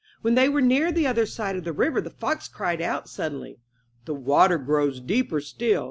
When they were near the other side of the river the fox cried out suddenly: 'The water grows deeper still.